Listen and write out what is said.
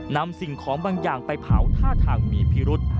สิ่งของบางอย่างไปเผาท่าทางมีพิรุษ